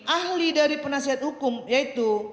ahli dari penasihat hukum yaitu